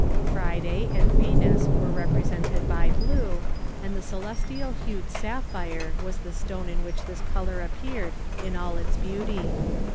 Friday and Venus were represented by blue, and the celestial hued sapphire was the stone in which this color appeared in all its beauty.